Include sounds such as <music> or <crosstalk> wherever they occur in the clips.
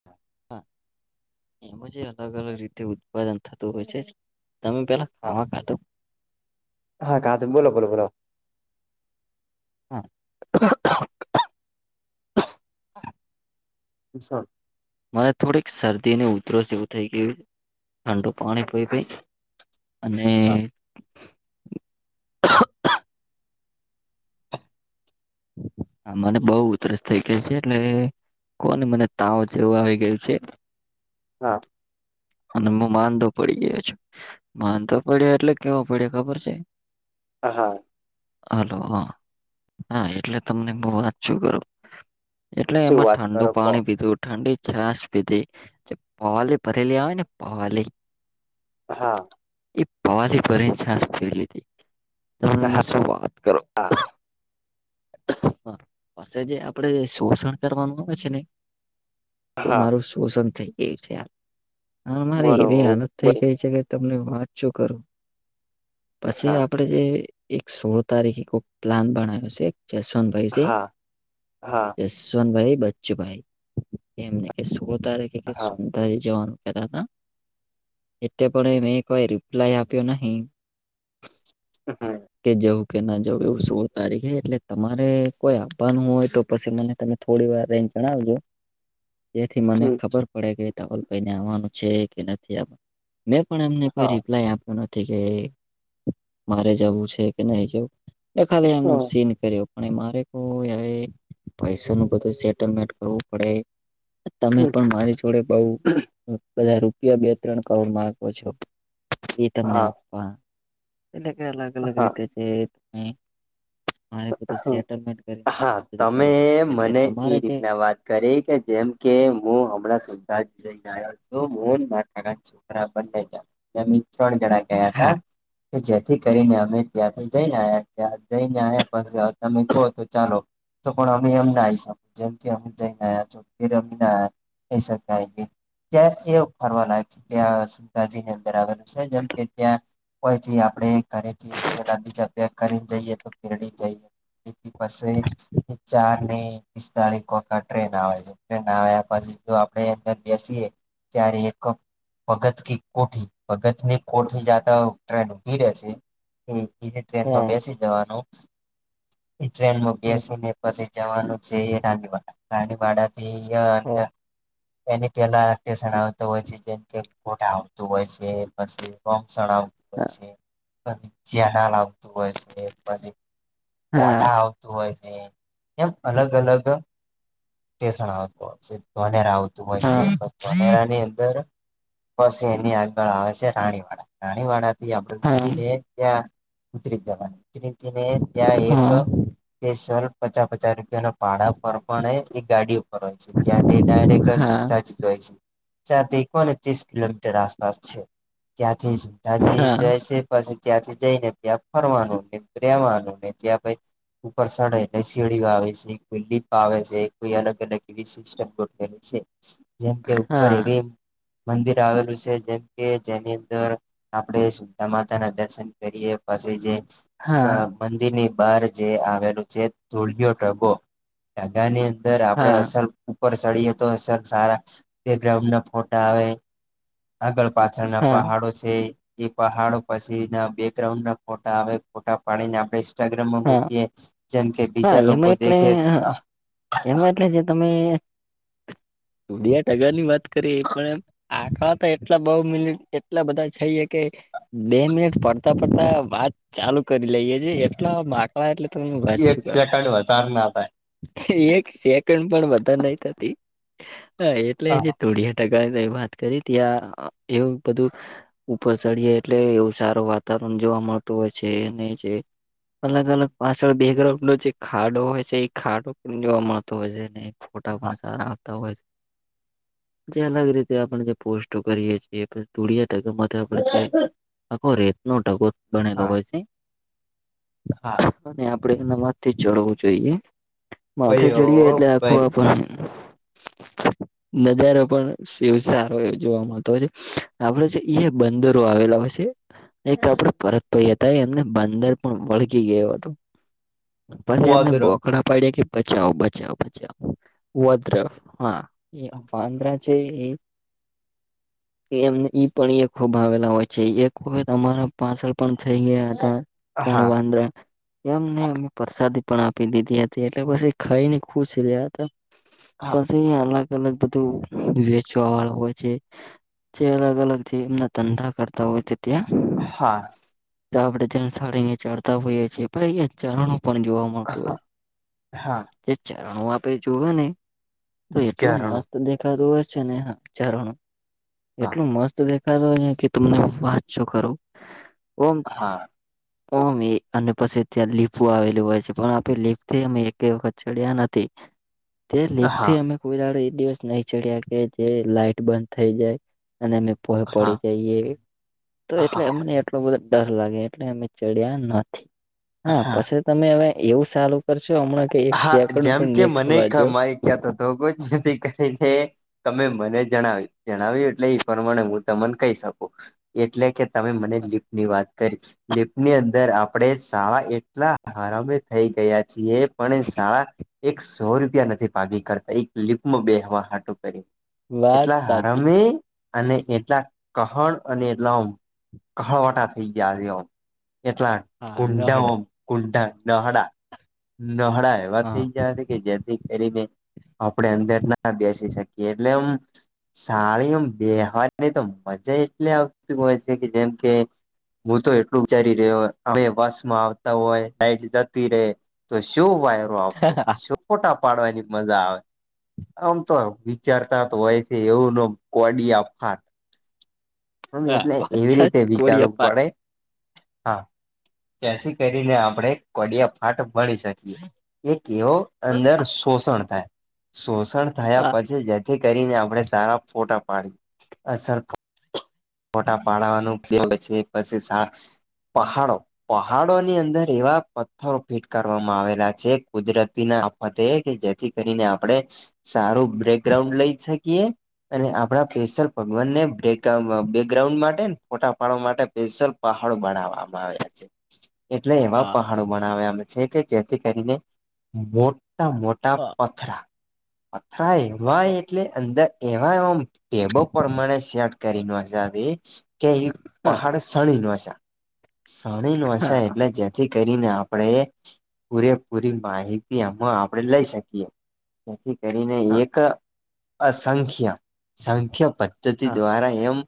હ <inaudible> હા એમાં જે અલગ- અલગ રીતે ઉત્પાદન થતું હોય છે, તમે પેલા હા આમાં કેતો. હા કા બોલો બોલો બોલો. હું. <unintelligible> હા <inaudible> સ <unintelligible> મારે થોડીક શરદી અને ઉધરો જેવું થઈ ગયું છે, ઠંડુ પાણી પીવું. હા અને હા મને બઉ ઉધરસ થઈ ગયો છે એટલે કો મને તાવ જેવું આવીઈ ગયું છે. હા. અને હું માંંધો પડી ગયો છું, માંંધો પડ્યો એટલે કેવો પડ્યો ખબર છે. હ હા. હલો હ. હા એટલે તમને હું વાંચચું કર, એટલે શું એમાં વાત ઠંડુ કરો કો પાણી પીધું. ઠંડી છાસ પીધી, પવાલી ભરેલી આવેને પવાલી. હા. એ પવાલી ભરીને છાસ પીલી તમે શું વાત કરો. હા. પાજે આપડે શોષણ કરવાનું આવે છે ને, એ હા મારું શોષણ થઈ ગયું છે, મારે એવી આનંદ થઈ બરોબર ગઈ છે કે તમને વાતચું કરું, પછી હા આપણેે જે એક સોળ તારીખ પ્લાન બણ્યો છે જશવંતભાઈ હા હા છે. ન ભાઈ બચ્ચુભાઈ, એમને સોળ તારી હા સનતા જવાનું કેતા હતા. એ પણ મેં કોઈ રિપ્લાય આપ્યો નહીં. હા. કે જવું કેના જવું એવું. સોળ તારીખે એટલે તમારે કોઈ આપવાનું હોયતો પછી મને તમે થોડીવાર રેન્જ જણાવજો. તેથી મને ખબર પડે કે તાવલ પહીને આવવાનું છે કે નથી આવવાનું. મેં પણ એમને કોઈ હા રિપ્લાય આપ એ નથી કે મારે જવું છે કે નહી જવું. એ ખાલી એમનું સીન કર્યું. પણ મારે તો પૈસા નું બધું સેટલમેન્ટ કરવું પડે. તમે હમ પણ મારી જોડે બહુ બધા રૂપિયા બે -ત્રણ કરોડ માંગો છો. એ તને હા આપવા, એટલે કે અલગ અલગ હા રીતે છે. મારે બધું હમ સેટલમેન્ટ કરીને હા બધું તમે કરવું એટલે મને એ તમારે જે રીતના વાત કરી કે જેમ કે હું હમણાં સઈ છે. બરાબર બંને જમીન ત્રણ જણા. હા ગયાતા, કે જેથી કરીને અમે ત્યાંથી જઈને ત જઈને. બસ તમે કહો તો ચાલો. તો પણ અમે એમ ના આવી શકે જેમ કે અ જને છોમી ના. એ શાય ત્યાં એવ ફરવા લાગે છે, ત્યાં સુતાજી ની અંદર આવેલા. જેમ કે ત્યાં, કોઈથી આપણે ઘરેથીલા બીજા પે કરીને જઈએ તો પરડી. જ એથી પાસે ચાર ને પિસ્તાળસ વકા ટ્રેન આવે છે. નાયા પછી જો આપણે અંદર બેસીએ, ત્યારે એક ભગત કે કોઠી ભગતની કોઠી જાતા ટ્રેનીડે છે. એ ટ્રેનમાં હા બેસી જવાનું. એ ટ્રેનમાં બેસીને પછી જવાનું છે રાનીવાડા, રાનીવાડા ધીયાજ. હા એને કેલા ટેશન આવતો હોય છે જેમ કે કોઠા આવતું હોય છે પછી ગોમશણ આવતું હોય છે, પછી ચેનાલ આવતું હોય છે, પછી હા વઠા આવતું હોય છે, એમ અલગ અલગ. ટેશન આવતું હોય છે, ધોનેરા આવતું હોય છે, હા ધોનેરાની અંદર બસ એની આગળ આવે છે રાણીવાડા, રાણીવાડાથી આપડે હા ઉતરીને. ત્યાં, ઉતરી જવાની ઉતરીને ત્યાં એક હા <unintelligible> પચાસ પચાસ રૂપિયા ના ભાડા પર પણ એ ગાડી ઉપર હોય છે, ત્યાં હા ડાયરેક્ટ <unintelligible> ત્રીસ કિલોમીટર આસપાસ છે, ત્યાંથી જ તાજી હા જઈ છે પછી ત્યાંથી જઈને ત્યાં ફરવાનું ને રહેેવાનું ને ત્યાં પ ઉપર ચડાયને શેડીઓ આવે છે કો લીપ આવે છે. વી અલગ અલગ એવી સિસ્ટમ ગોઠવેલી છે, જેમ કે ઉપર હા એવી મંદિર આવેલું છે જેમ કે જેની અંદર. આપણેે સીતા માતાના દર્શન કરીએ પછી જે હા મંદિરની બાર જે આવેલું છે ધૂળિયો ઢગો, ઢગાની અંદર આપડે હા હા અસલ ઉપર ચડીએ તો અસલ સારા, બેકગ્રાઉન્ડ ના ફોટા આવે. આગળ પાછળના હા હા પાહાડો છે, ઈ પહાડો પછી ના બેકગ્રાઉન્ડ ના ફોટા આવે ફોટા પારીને આપણે બેગ્રાઉન્ડમાં મૂકીએ, જેમ કે બીજા એમાં લોકો એટલે દેખે અ એમાં એટલે જે તમે બેટગરની વાત કરી એ પણ એમ આકડા તો એટલા બોઉ મિલિટ એટલા બધા છઈએ કે બે મિનિટ ફરતા ફરતા વાત ચાલુ કરી લઈએ છે એટલા બા એક સેકન્ડ વધાર ના થાય <unintelligible> એક સેકન્ડ પણ બધાં નઈ થતી, હ એટલે જે હા ઢોડિયા વાત કરી ત્યા એવું બધું ઉપર ચડીએ એટલે એવું સારું વાતાવરણ જોવા મળતું હોય છે ને જે અલગ અલગ પાછળ બેગ્રાઉન્ડ નો જે ખાડો હોય છે એ ખાડો પણ જોવા મળતો હોય છે ને. ફોટા પણ સારા આવતા હોય છે. જે અલગ રીતે આપણે જે પોસ્ટો કરીએ છીએ એ ધોળિયા ટકાથી આપ. આખો રેત નો ઢગો બનેલો હા હોય છે. હા. ને આપડે એનામાંજથી જળવું જોઈએ. માથે ચડીએ એટલે આખો ભાઈ આપ નજારો પણ એવ સારો એ જોવા મળતો હોય છે, આપડે છે બંદરો આવેલા હોય છે, એક આપડે પરત પયા હતા એમને બંદર પણ વળગી ગયો હતો, પછી એમને ઓદરો બોકડા પાડ્યા કે બચાવ બચાવ બચાવ, વદ્ર હા, એ પાંદરા છે એમ. એમ ઈ પણ એ ખૂબ આવેલા હોય છે એક વખત અમારા પાછળ પણ થઈ ગયા હતા. કણ હા વાંદરા. એમને અમે પ્રસાદી પણ આપી દીધી હતી એટલે પછી ખાઈ ને ખુશ રહ્યા હતા. હા પછી અલગ અલગ બધું વેચવા વાળું હોય છે. જે અલગ અલગ જે એમના ધંધા કરતા હોય છે ત્યાં. હા. તા આપણેે ત્યાં સારી ચઢતા હોઈએ છીએ ચરણો પણ જોવા મ હા હા ચરણો આપે જોવા ને, તો એટલું ઝારણું મસ્ત દેખાતું હોય જ છે ને ચારનું, હા એટલું મસ્ત દેખ હોયન કે તમને વાતચું કરું, ઓમ હા. ઓમે અને પછી ત્યાં લીપું આવેલું હોય છે પણ આપે લીપથી અમે એક વખત ચડ્યા નથી. તે હા લેપથી અમે ફુડો એ દિવસ નહી ચડ્યા કે જે લાઈટ બંધ થઈ જાય, અને અમે હા પડી જઈએ, તો એટલે હા અમને એટલો બધો ડર લાગે એટલે. ચડ્યા નથી, હા પછી તમે હવે એવું સારું કરશો હમણાં કે એક હા સેકન્ડ જેમ પણ કે નહી મને થવા ક જો મારી ક્યાં તો ધોગો જ નથી કરીને તમે મને જણાવી જણાવ્યું એટલે એ પ્રમાણે હું તમને કહી શકું. એટલે કે તમે મને લિફ ની વાત કરી. લિફ્ટની અંદર આપડે શાળા એટલા હરામે થઈ ગયા છીએ. પણ એ શાળા એક સો રૂપિયા નથી ભાગી કરતા એક લિપમાં બે હવાાટું કર્યું. વાત એટલા સાચી હરામી. અને એટલા કહણ અને એટલા કહણવટા થઈ ગયા છે. એટલા હા કુંડમ નહડ કુંડ ડહડા. નહળા એવા થઈ હા ગયા છે કે જેથી કરીને. આપડ અંદર ના બેસી શકીએ એટલેમ સાળીમાં વ્યવહારની તો મજા એટલે આવતી હોય છે કે જેમ કે હું તો એટલું વિચારી રહ્યો અમે બસ માં આવતા હોય લટ જતી રે. તો શું વાયરો આવતો ખોટા પાડવાની મજા આવે. આમ તો વિચારતા તો હોય છે એવું ન કોડિયા ફાટ. હ હા એટલે એવી પાંચ રીતે કોળિયા વિચારવું પાંચ પડે. હા, ત્યાંથી કરીને આપણેે કોડ હાટ ભળી શકીએ, એક એવ અંદર શોષણ થાય, શોષણ થયા હા પછી જેથી કરીને આપડણે સારા ફોટા પાડી, અ સર મોટા પાડાનું પછી પછી પહાડો પહાડોની અંદર એવા પથ્થરો ફીટ કરવામાં આવેલા છે કુદરતીના વધે કે જેથી કરીને આપણેે સારું બ્રેકગ્રાઉન્ડ લઈ શકીએ, અને આપડા ફસર ભગવાનને બક બેકગ્રાઉન્ડ માટે ફોટા ફાડો માટે પેશલ પહાડો બનાવામાં આવ્યા છે. એટલે એવા હા પહાડો બનાવ્યામ છે કે જેથી કરીને, મોટા મોટા હા પથરા, પથરા એવાય હા એટલે અંદર્ એવા એ ટેબો પ્રમાણે સેટ કરીને હથી, કે હા પહાડ શણી ન્વાશા, શણી હા ન્વાસાા એટલે જેથી કરીને આપણેે પૂરેપૂરી માહિતી આમાં આપડે લઈ શકીએથી કરીને એક અસંખ્ય સંખ્ય પદ્ધતિ હા દ્વારા એમ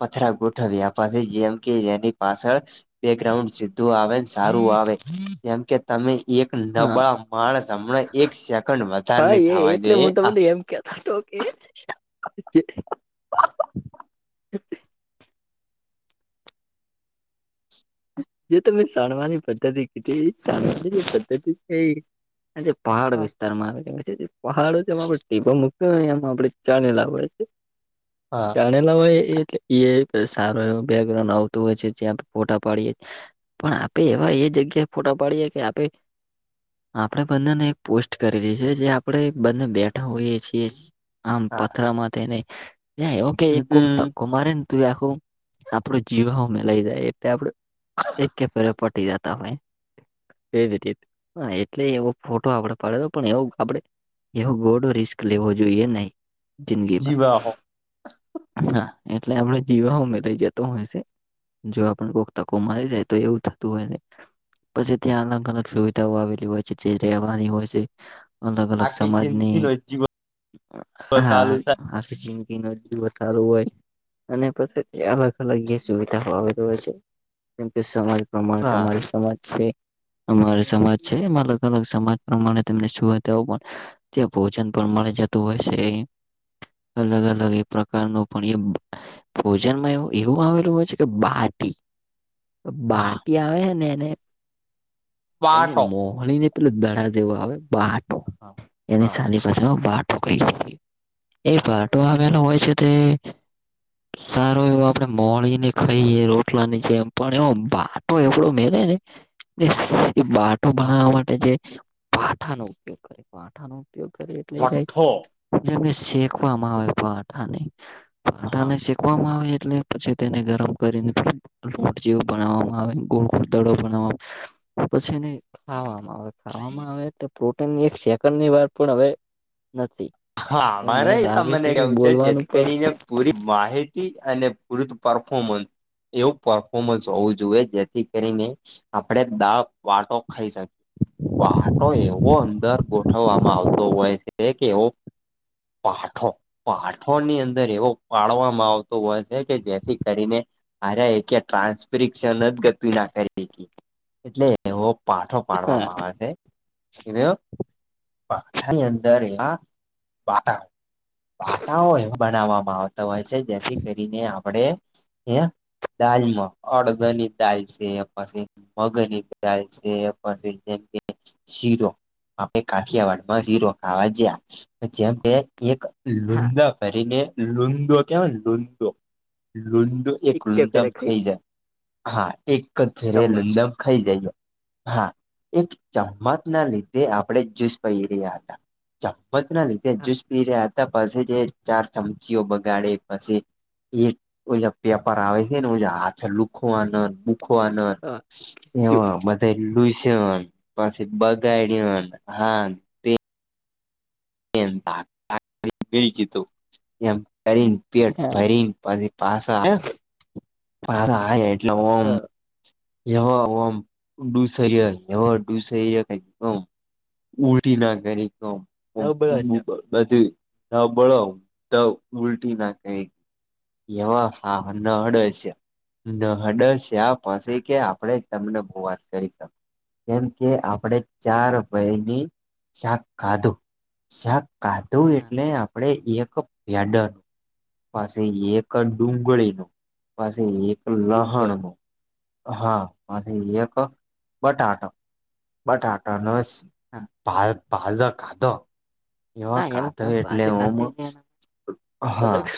પથરા ગોઠ વ્યાપ છે જેમ કે જેની પાછળ બેગ્રાઉન્ડ સીધું આવે સારું આવે કેમ કે તમે એક હા નબળા માણસ હમણાં એક સેકન્ડ વધારેની થવા જઈએ આ કતાા તો કે જે તમે શણવાની પદ્ધતિ કીધી એ શણની પદ્ધતિ છે એ જે પહાડ વિસ્તારમાં આવે કે છે પહાડમાં ટીબો મુ એમાં આપડે ચાલી લય છે. <inaudible> જાણેલા હોય એલે એ સારું એવ બેકગ્રાઉન્ડ આવતું હોય છે જ્યાં ફોટા પાડીએ પણ આપે એવા એ જગ્યાએ ફોટો પાડીએે કે આપે આપણે બંનેને એક પોસ્ટ કરીલી છે જે આપણે બંને બેઠા હોઈએ છીએ આમ હા પથરામાં તે નહી ઓકે એક કોક ત હમ ધક્કો મારેને તું આખું આપડું જીવ મે લઈ જાય એટલે આપડું એક કે ફેરે પટી જતા અમે એ રીતે એટલે એવો ફોટો આપડે પાડ્યો પણ એવું આપડે એવો ખોટો રિસ્ક લેવો જોઈએ નહીં જિંદગીમાં જીવા હો હા એટલે આપડે જીવામે લઈ જતો હોય છે જો આપ ધક્કો મારી જાય તો એવું થતું હોય ને પછી ત્યાં અલગ અલગ સુવિધાઓ આવેલી હોય છે જે રેવાની હોય છે. અલગ અલગ આખી સમાજને જિંદગી નો જીવ હા ચાલુ થાય <unintelligible> ન વધારું હોય અને પછી અલગ અલગ જે સુવિધાઓ આવેલી હોય છે. જેમ કે સમાજ પ્રમાણે હા તમારા સમાજ છે. અમારે સમાજ છે એમાં અલગ અલગ સમાજ પ્રમાણે તમને સૂવા તેવ પણ ત્યાં ભોજન પણ મળી જતું હોય છે. અલગ અલગ એ પ્રકારનો પણ એ ભોજનમાં એવું એવું આવેલું હોય છે કે બાટી હા બાટી આવે ને એને એને પાટો મોહળીને પેલા દડા જેવો આવે બહટો હા એને હા સાદી પાસેમાં બટો કહીએ છીએ એ બાટો આવેલો હોય છે. તે સારો એવ આપણે મોહળીને ખાઈએ રોટલા ની કેમ પણ એવ બાટો એવો મેરે ને બાટો હા, બનવા માટે જે પાઠાનોો ઉપયોગ કરે પાઠા નો ઉપયોગ કરીએ જાય છઠ્ઠો જેમને શેકવામાં આવે પાઠા હા પાઠાને શ કૂકવામાં આવે એટલે પછી તેને ગરમ કરીને લોટ જેવું બનાવામાં આવે ગોળ ગોળ દડો બનાવામાં આવે પછી નહી ખાવામાં આવે ખાવામાં આવે તો પ્રોટીનની એક સેકન્ડ ની વાર પણ હવે નથી હા હવે મારે મને એ લાગે તમને કે કવું છે બોલવાનું જેથી પણ કરીને પૂરી માહિતી અને પૂરી પરફોર્મન્સ એવું પરફોર્મન્સ હોવું જોઈએ જેથી કરીને આપણેે દા વાટો ખાઈ શકીએ વાહટો એવો અંદર ગોઠવવામાં આવતો હોય છે કે એવો પાઠો પાઠોની અંદર એવો પાડવામાં આવતો હોય છે કે જેથી કરીને અરેયા એ કે <unintelligible> જ ગતિ ના કરી <unintelligible> એટલે એવો પાઠો હા પાડવામાં આવે છે. એવે <unintelligible> અંદર એના વાટા વાટાઓ એમ બનાવવામાં આવતા હોય છે જેથી કરીને અપ આપડે અહીંયા દાલમાં અડધની દાલ છે પાસે. મગનની <unintelligible> છે પછી જેમ કે શીરો આપણે કાઠિયાવાડ માં જઝીરો ખાવા જયા જેમ કે એક હા લુંડા કરી ને લુંડો કહેવાય ને લુંડો લુંડુ એક કે લુંદમ પેરે ખાઈ ગયા જાય હા એક <unintelligible> ચમચ લુંદમ ખાઈ જયો હા એક ચમમક ના લીધે આપણે જ્યુસ પહી રહ્યા હતા. મત ના લીધ હા જૂસ પી રહ્યા હતા પછી જે ચાર ચમચીઓ બગાડે પછી એ કોઈ વેપાર આવે છે ને હાથે લુખવા નો <unintelligible> હા <unintelligible> એ ખીચું મા બા <unintelligible> હા તે <unintelligible> પછી પાસા આયા પાસા આયા એટલે ઓમ હા <unintelligible> ઉલટી ના <unintelligible> ઓમ ડબલ <unintelligible> છે. બધી <unintelligible> તો ઉલટી ના કઈક એમાં હા નહડ છે નહડ છે આ હા પછી કે આપણે તમને બહુ વાત કરી શા. કેમ કે આપણેે ચારપયની શાક ખાધું શાક કાધું હા એટલે આપડે એક પ્યાડ પાસે એક ડુંગળી ન પાસે એક ડુંગર લહણનો હા <unintelligible> એક બટાક બટાટા નો શક ભા ભાજ ખાધો. એવા હા કાત એમ એટલે પાછ હું ખાતે હા. અલગ